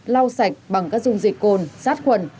lau sạch bằng các dung dịch cồn